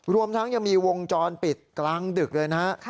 รวมทั้งยังมีวงจรปิดกลางดึกเลยนะฮะ